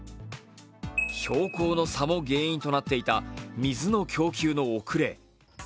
標高の差も原因となっていた水の供給の遅れ。